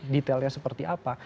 detailnya seperti apa